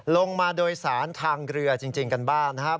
ลงมาโดยสารทางเรือจริงกันบ้างนะครับ